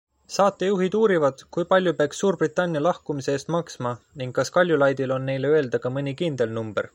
Saatejuhid uurivad, kui palju peaks Suurbritannia lahkumise eest maksma ning kas Kaljulaidil on neile öelda ka mõni kindel number.